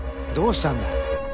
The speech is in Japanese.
どうしたんだ？